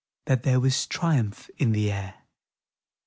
That there was triumph in the air.